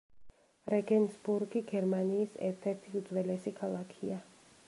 რეგენსბურგი გერმანიის ერთ-ერთი უძველესი ქალაქია.